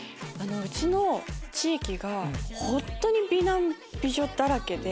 うちの地域が本当に美男美女だらけで。